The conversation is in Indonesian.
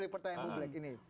pertanyaan publik ini